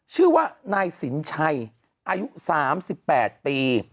ชื่อว่านายสินชัยอายุ๓๘ปี